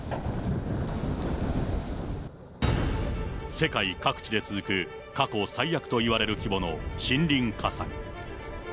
世界各地で続く過去最悪といわれる規模の森林火災。